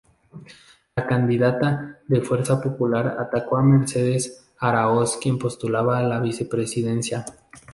La candidata de fuerza popular atacó a Mercedes Araoz quien postulaba a la vicepresidencia.